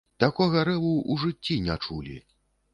Такога рэву ў жыцці не чулі.